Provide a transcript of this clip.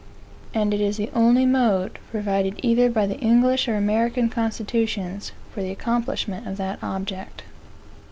And it is the only mode, provided either by the English or American constitutions, for the accomplishment of that object.